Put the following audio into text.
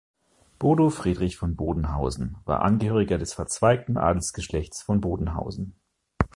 Bodo Friedrich von Bodenhausen war Angehöriger des verzweigten Adelsgeschlechts von Bodenhausen.